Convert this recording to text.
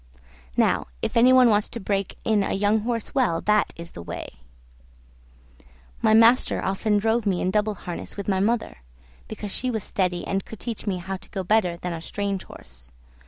Now if any one wants to break in a young horse well, that is the way. My master often drove me in double harness with my mother, because she was steady and could teach me how to go better than a strange horse.